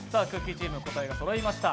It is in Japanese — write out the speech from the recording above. チームの答えがそろいました。